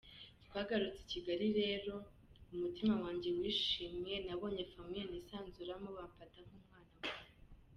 Twagarutse i Kigali rero umutima wanjye wishimye nabonye famille nisanzuramo bamfata nk’umwana wabo.